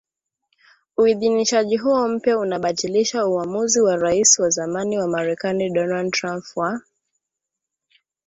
Uidhinishaji huo mpya unabatilisha uamuzi wa Raisi wa zamani wa Marekani Donald Trump wa